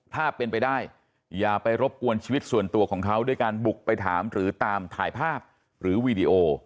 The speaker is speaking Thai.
ถ้าเป็นไปได้อย่าไปรบกวนชีวิตส่วนตัวของเขาด้วยการบุกไปถามหรือตามถ่ายภาพหรือวีดีโอ